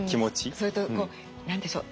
それと何でしょう